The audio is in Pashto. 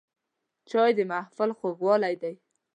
چای د محفل خوږوالی دی